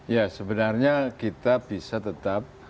ya sebenarnya kita bisa tetap